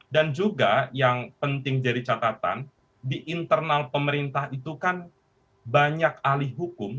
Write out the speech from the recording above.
dan juga yang penting jadi catatan di internal pemerintah itu kan banyak ahli hukum